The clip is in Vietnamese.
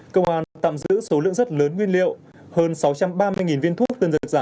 công an tạm giữ số lượng rất lớn nguyên liệu hơn sáu trăm ba mươi viên thuốc tân dược giả